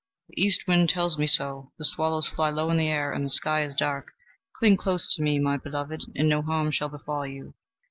"The east wind tells me so; the swallows fly low in the air, and the sky is dark. Cling close to me, my beloved, and no harm shall befall you."